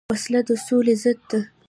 وسله د سولې ضد ده